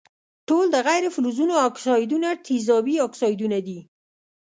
ټول د غیر فلزونو اکسایدونه تیزابي اکسایدونه دي.